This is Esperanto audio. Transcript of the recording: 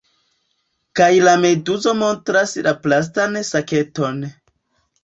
Kaj la meduzo montras la plastan saketon.